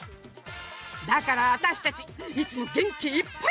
だから私たちいつも元気いっぱい！